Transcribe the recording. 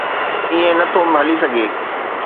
ائين نه ٿو هلي سگهي.